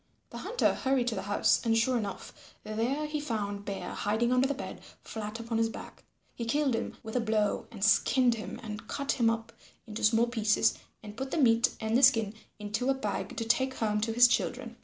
The Hunter hurried to the house, and sure enough there he found Bear hiding under the bed, flat upon his back. He killed him with a blow and skinned him and cut him up into small pieces and put the meat and the skin into a bag to take home to his children.